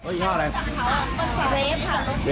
อีกห้ออะไรนะครับอีกห้ออะไรนะครับเวฟค่ะ